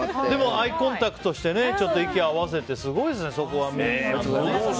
アイコンタクトして息を合わせて、すごいですね。